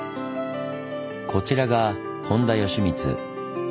こちらが本田善光。